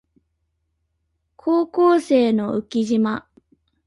高校生の浮島